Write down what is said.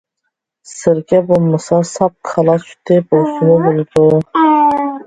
سىركە بولمىسا ساپ كالا سۈتى بولسىمۇ بولىدۇ.